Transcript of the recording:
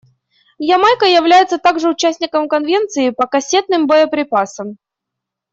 Ямайка является также участником Конвенции по кассетным боеприпасам.